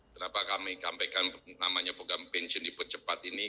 kenapa kami mengatakan program pensiun di percepat ini